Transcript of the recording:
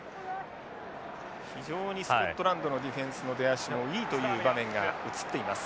非常にスコットランドのディフェンスの出足もいいという場面が映っています。